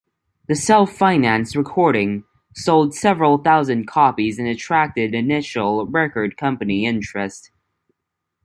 The self-financed recording sold several thousand copies and attracted initial record company interest.